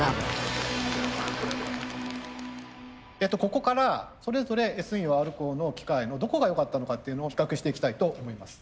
ここからそれぞれＳ陽Ｒコーの機械のどこが良かったのかっていうのを比較していきたいと思います。